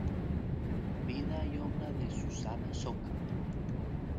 Vida y obra de Susana Soca".